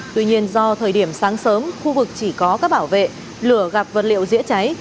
tuy nhiên do thời điểm sáng sớm khu vực chỉ có các bảo vệ lửa gặp vật liệu dễ cháy